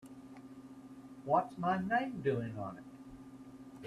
What's my name doing on it?